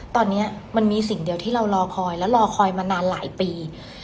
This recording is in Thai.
ตอนนี้มันมีสิ่งเดียวที่เรารอคอยและรอคอยมานานหลายปี